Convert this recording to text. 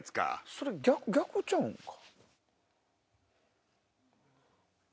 それ逆ちゃうんか？